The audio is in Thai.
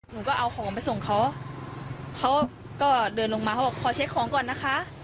หนูก็เอาของไปส่งเขาเขาก็เดินลงมาเขาบอกขอเช็คของก่อนนะคะ